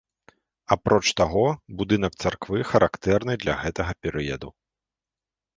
Апроч таго, будынак царквы характэрны для гэтага перыяду.